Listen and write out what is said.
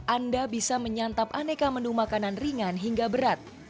anda bisa menyantap aneka menu makanan ringan hingga berat